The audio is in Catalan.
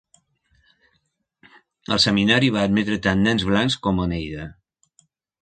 El seminari va admetre tant nens blancs com Oneida.